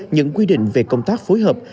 những quy định về công tác phối hợp